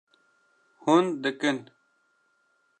Hûn dikin